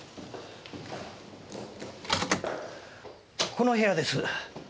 この部屋です。